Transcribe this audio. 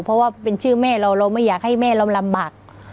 เพราะว่าเป็นชื่อแม่เราเราไม่อยากให้แม่เราลำบาก